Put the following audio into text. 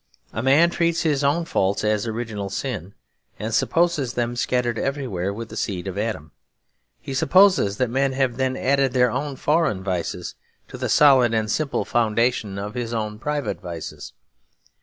A man treats his own faults as original sin and supposes them scattered everywhere with the seed of Adam. He supposes that men have then added their own foreign vices to the solid and simple foundation of his own private vices.